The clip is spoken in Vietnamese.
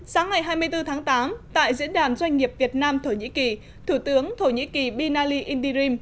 sáng ngày hai mươi bốn tháng tám tại diễn đàn doanh nghiệp việt nam thổ nhĩ kỳ thủ tướng thổ nhĩ kỳ binali indirim